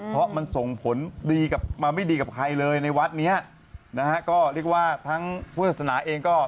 เพราะมันส่งผลดีกลับมาไม่ดีกับใครเลยในวัดเนี้ยนะฮะก็เรียกว่าทั้งพุทธศาสนาเองก็